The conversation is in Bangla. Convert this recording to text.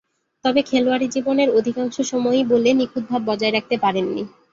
তবে, খেলোয়াড়ী জীবনের অধিকাংশ সময়ই বলে নিখুঁত ভাব বজায় রাখতে পারেননি।